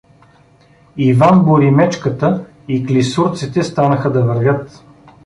Иван Боримечката и клисурците станаха да вървят.